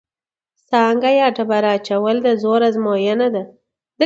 سانګه یا ډبره اچول د زور ازموینه ده.